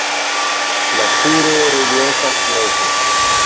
La turo reliefas meze.